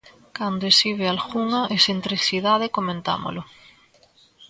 Cando exhibe algunha excentricidade comentámolo.